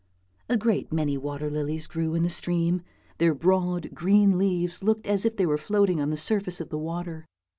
A great many water lilies grew in the stream, their broad green leaves looked as if they were floating on the surface of the water.